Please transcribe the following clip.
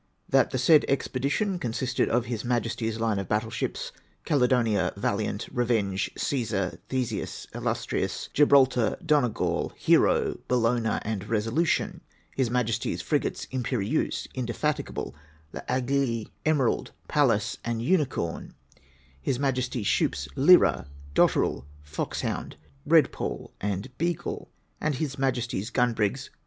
That the said expedi tion consisted of His ^Majesty's line of battle ships, Caledonia, Valiant, Revenge, Ccesar, Theseus, Illustrious, Oibraltar, Donegal, Hero, Bellona, and Resolution; His Majesty's frigates, Lnperieuse, Indefatigable, VAigle, Emerald, Fallas, and Unicorn; His Majesty's sloops, Lyra, Dotterell, Fox hound, Redpole, and Beagle ; and His Majesty's gun brigs.